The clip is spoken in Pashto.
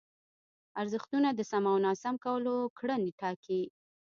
ارزښتونه د سم او ناسم کولو کړنې ټاکي.